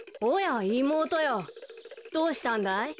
おやいもうとよどうしたんだい？